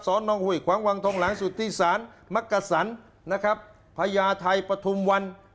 ซ้อนองค์ห่วยขวังวังทงหลังสุทธิสารมักกระสรรค์พญาไทยปฐุมวัน